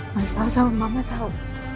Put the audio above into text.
mas aza dan mama tau